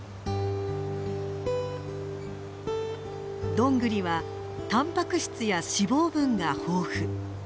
ドングリはたんぱく質や脂肪分が豊富。